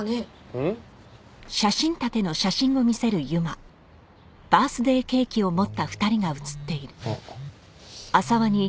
うん？あっ。